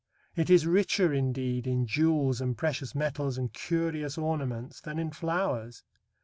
It is richer, indeed, in jewels and precious metals and curious ornaments than in flowers.